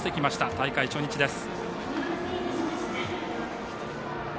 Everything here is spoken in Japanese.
大会初日です。